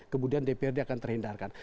kemudian dprd akan terhindarkan